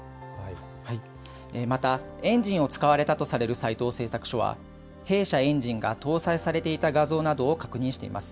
また、エンジンを使われたとされる斎藤製作所は弊社エンジンが搭載されていた画像などを確認しています。